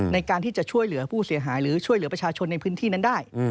ในการที่จะช่วยเหลือผู้เสียหายหรือช่วยเหลือประชาชนในพื้นที่นั้นได้